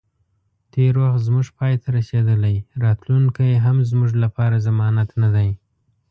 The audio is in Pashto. تیر وخت زمونږ پای ته رسیدلی، راتلونی هم زموږ لپاره ضمانت نه دی